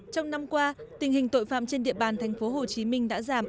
trong năm qua tình hình tội phạm trên địa bàn tp hcm đã giảm